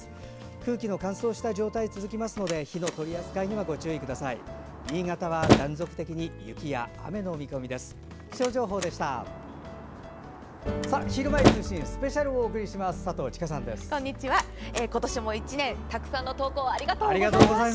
空気の乾燥した状態が続きますので火の取り扱いにはご注意ください。